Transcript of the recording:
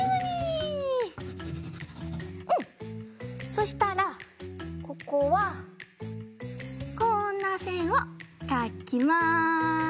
そしたらここはこんなせんをかきます。